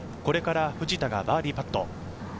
これから藤田がバーディーパット。